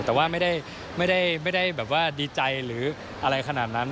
แต่ว่าไม่ได้แบบว่าดีใจหรืออะไรขนาดนั้น